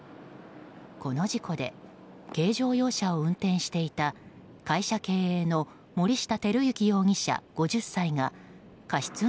この事故で、軽乗用車を運転していた会社経営の森下晃行容疑者、５０歳が過失